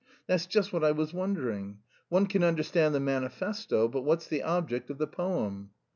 "That's just what I was wondering: one can understand the manifesto, but what's the object of the poem?"